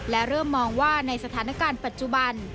และเริ่มมองว่าในสถานการณ์ปัจจุบัน